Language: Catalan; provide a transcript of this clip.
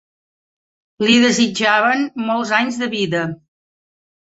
Li desitjaven molts anys de vida